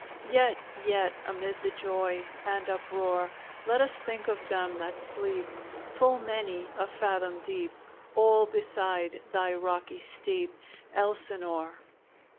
Yet yet amid the joy And uproar, Let us think of them that sleep Full many a fathom deep All beside thy rocky steep, Elsinore!